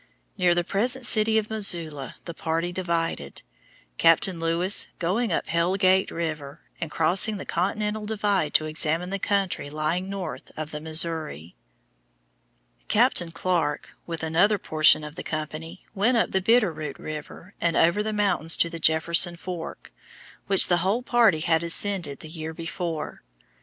Near the present city of Missoula the party divided, Captain Lewis going up Hell Gate River and crossing the continental divide to examine the country lying north of the Missouri. Captain Clark, with another portion of the company, went up the Bitter Root River and over the mountains to the Jefferson Fork, which the whole party had ascended the year before.